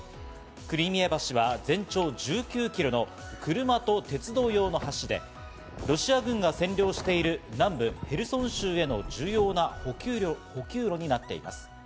クリミア橋は全長１９キロの車と鉄道用の橋でロシア軍が占領している南部ヘルソン州への重要な補給路になっています。